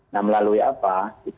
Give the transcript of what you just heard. nah melalui apa